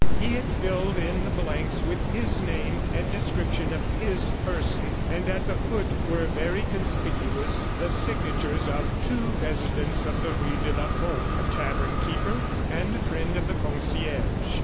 He had filled in the blanks with his name and description of his person; and at the foot were very conspicuous the signatures of two residents of the rue de la Pompe a tavern keeper, and a friend of the concierge.